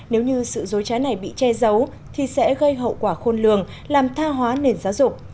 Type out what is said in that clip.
nếu như sự dối trái này bị che giấu thì sẽ gây hậu quả khôn lường làm tha hóa nền giáo dục